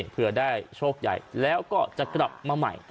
เพื่อได้โชคใหญ่แล้วก็จะกลับมาใหม่